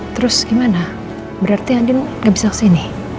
terus gimana berarti andin gak bisa sini